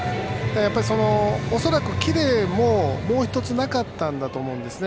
恐らくキレも、もう１つなかったんだと思うんですね。